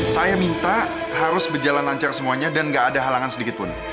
saya minta harus berjalan lancar semuanya dan gak ada halangan sedikitpun